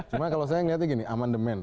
cuma kalau saya melihatnya gini amandemen